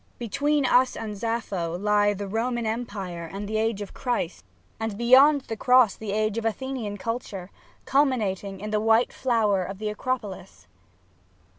Between us and Sappho lie the Roman Empire and the age of Christ, and beyond 5 SAPPHO the cross the age of Athenian culture, culmir>ating in the white flower of the Acropolis.